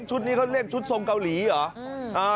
ชุดนี้เขาเรียกชุดทรงเกาหลีเหรอ